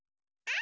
あ！